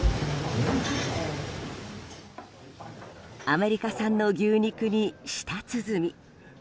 アメリカ産の牛肉に舌つづみ。